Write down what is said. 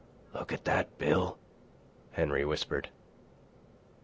"Look at that, Bill," Henry whispered.